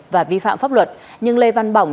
và vi phạm pháp luật nhưng lê văn bỏng